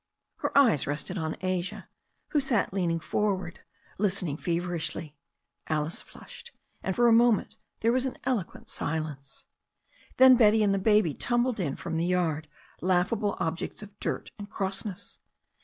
Her eyes rested on Asia, who sat leaning forward, listen ing feverishly. Alice flushed, and for a moment there was an eloquent silence. Then Betty and the baby tumbled in from the yard, laugh able objects of dirt and crossness.